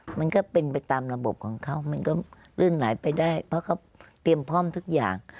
มันก็เป็นไปตามระบบของเขามันก็ลื่นหลายไปได้เพราะเขาเตรียมพร้อมทุกอย่าง